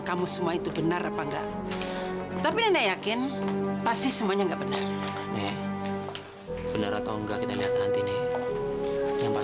sampai jumpa di video selanjutnya